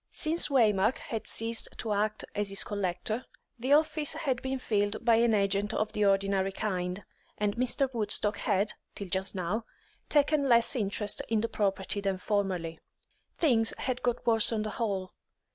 Since Waymark had ceased to act as his collector, the office had been filled by an agent of the ordinary kind, and Mr. Woodstock had, till just now, taken less interest in the property than formerly. Things had got worse on the whole.